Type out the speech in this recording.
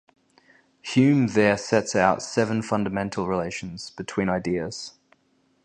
Hume there sets out seven fundamental relations between ideas.